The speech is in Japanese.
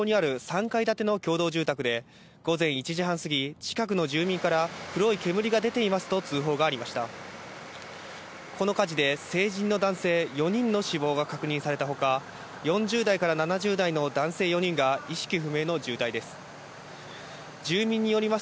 この火事で成人の男性４人の死亡が確認されたほか、４０代から７０代の男性４人が意識不明の重体です。